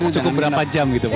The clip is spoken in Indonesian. cukup berapa jam gitu pak